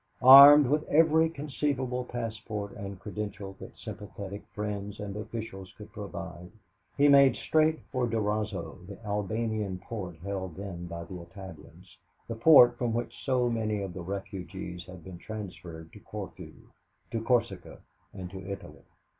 Armed with every conceivable passport and credential that sympathetic friends and officials could provide, he made straight for Durazzo, the Albanian port held then by the Italians the port from which so many of the refugees had been transferred to Corfu, to Corsica, and to Italy.